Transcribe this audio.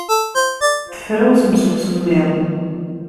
Tefrawsem seg usemmiḍ.